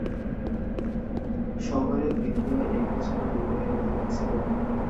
শহরে দ্বিতীয় একটি ছোট দুর্গ নির্মিত হয়েছিল।